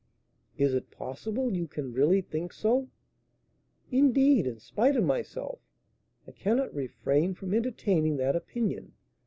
"Is it possible you can really think so?" "Indeed, in spite of myself, I cannot refrain from entertaining that opinion.